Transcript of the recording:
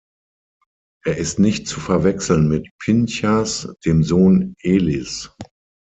Er ist nicht zu verwechseln mit Pinchas, dem Sohn Elis.